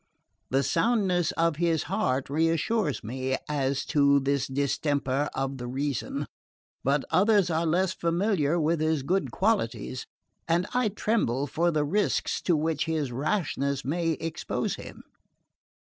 The soundness of his heart reassures me as to this distemper of the reason; but others are less familiar with his good qualities and I tremble for the risks to which his rashness may expose him."